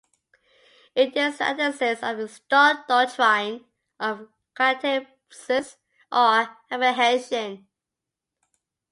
It is the antithesis of the Stoic doctrine of katalepsis or Apprehension.